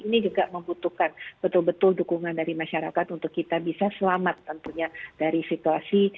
ini juga membutuhkan betul betul dukungan dari masyarakat untuk kita bisa selamat tentunya dari situasi